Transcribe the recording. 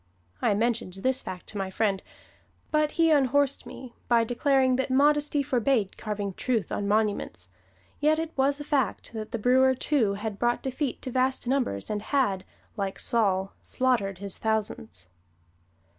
I mentioned this fact to my friend, but he unhorsed me by declaring that modesty forbade carving truth on monuments, yet it was a fact that the brewer, too, had brought defeat to vast numbers and had, like Saul, slaughtered his thousands.